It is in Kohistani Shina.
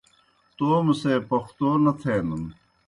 توموْ سے پوختَو نہ تھینَن۔